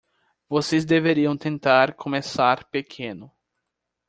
Vocês deveriam tentar começar pequeno.